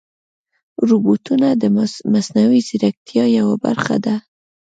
روبوټونه د مصنوعي ځیرکتیا یوه برخه ده.